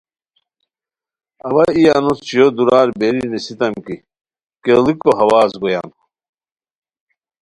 اوا ای انوس چھویو دورار بیری نیسیتام کی کیڑیکو ہواز گویان